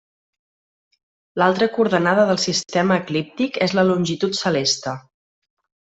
L'altra coordenada del sistema eclíptic és la longitud celeste.